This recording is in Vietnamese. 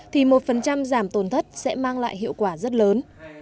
thì một giảm tổn thất sẽ mang lại hiệu quả rất lớn